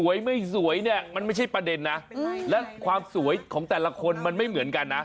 ไม่สวยเนี่ยมันไม่ใช่ประเด็นนะและความสวยของแต่ละคนมันไม่เหมือนกันนะ